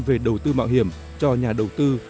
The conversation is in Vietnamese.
về đầu tư mạo hiểm cho nhà đầu tư